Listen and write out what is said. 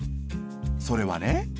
それはね